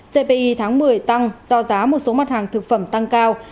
cpi tháng một mươi tăng do giá một số mặt hàng thực phẩm tăng cao